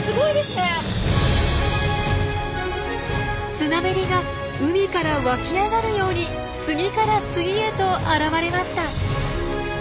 スナメリが海から湧き上がるように次から次へと現れました。